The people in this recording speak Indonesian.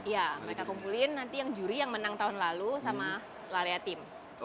iya mereka kumpulin nanti yang juri yang menang tahun lalu sama lariatim